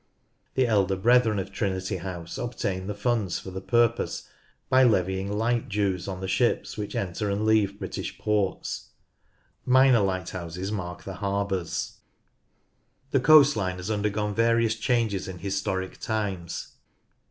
The Elder Brethren of Trinity House obtain the funds for the purpose by levying ALONG THE COAST 17 light dues on the ships which enter and leave British ports. Minor lighthouses mark the harbours. The coast line has undergone various changes in historic times.